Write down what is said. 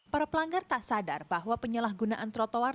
para pelanggar tak sadar bahwa penyalahgunaan trotoar